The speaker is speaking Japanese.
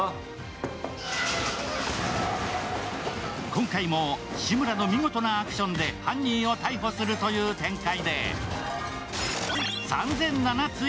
今回も志村の見事なアクションで犯人を逮捕するという展開。